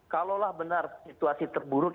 kalaulah benar situasi terburuk